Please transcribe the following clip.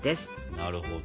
なるほど。